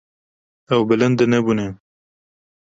Ew bilind nebûne.